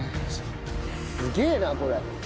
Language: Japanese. すげえなこれ。